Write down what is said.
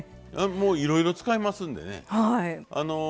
もういろいろ使えますんでね